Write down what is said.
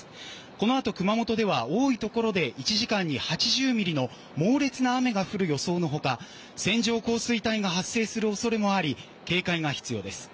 このあと、熊本では多いところで１時間に８０ミリの猛烈な雨が降る予想の他線状降水帯が発生する恐れもあり警戒が必要です。